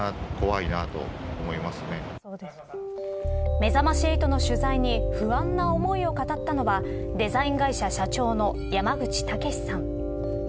めざまし８の取材に不安な思いを語ったのはデザイン会社社長の山口毅さん。